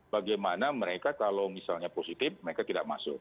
bagaimana mereka kalau misalnya positif mereka tidak masuk